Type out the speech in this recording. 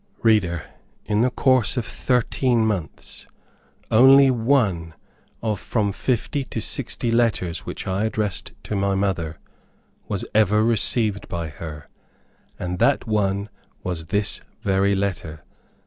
Reader, in the course of thirteen months, only one, of from fifty to sixty letters which I addressed to my mother, was ever received by her, and that one was this very letter.